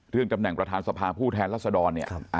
ตำแหน่งประธานสภาผู้แทนรัศดรเนี่ย